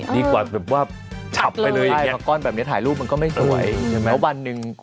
ดีกว่าแบบว่าจับเลยละก้อนแบบเนี้ยถ่ายรูปมันก็ไม่สวยเต๋อบันหนึ่ง